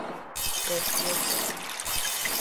با احتیاط برانید!